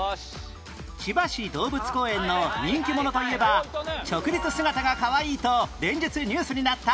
千葉市動物公園の人気者といえば直立姿がかわいいと連日ニュースになった風太君